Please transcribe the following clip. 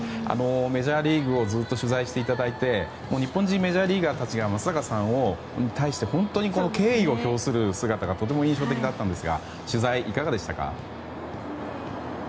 メジャーリーグをずっと取材していただいて日本人メジャーリーガーたちが松坂さんに対して本当に敬意を表する姿がとても印象的だったんですが取材、いかがでしたか？